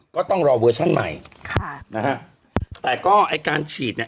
ก็ต้องรอเวอร์ชั่นใหม่ค่ะนะฮะแต่ก็ไอ้การฉีดเนี่ย